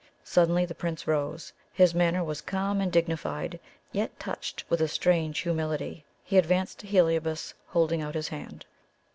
Suddenly the Prince rose; his manner was calm and dignified, yet touched with a strange humility. He advanced to Heliobas, holding out his hand.